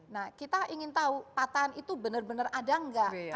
nah kita ingin tahu patahan itu benar benar ada nggak